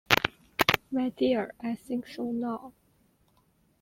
My dear, I think so now.